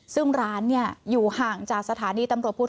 ซึ่งร้านอยู่ห่างจากสถานีตำรวจภูทร